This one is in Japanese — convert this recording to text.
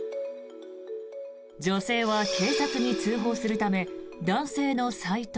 女性は警察に通報するため男性のサイト